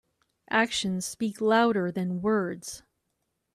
Actions speak louder than words.